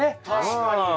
確かに！